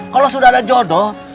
kalau sudah ada jodoh